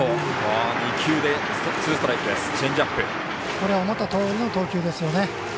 これは思ったとおりの投球ですよね。